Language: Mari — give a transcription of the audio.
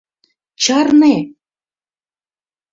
— Чарне!